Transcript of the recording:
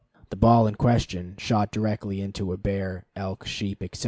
The ball in question, shot directly into a bear, elk, sheep, etc.